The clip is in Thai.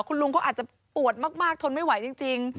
คุณลุงเขาอาจจะปวดมากทนไม่ไหวจริง